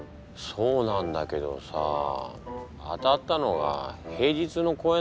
そうなんだけどさ当たったのが平日の公演なんだよ。